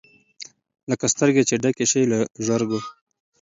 لکه سترګي چي یې ډکي سي له ژرګو